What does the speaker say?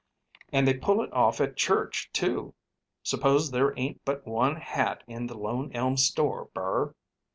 And they pull it off at church, too. Suppose there ain't but one hat in the Lone Elm store, Burr!"